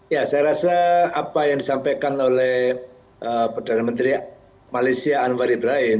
ya saya rasa apa yang disampaikan oleh perdana menteri malaysia anwar ibrahim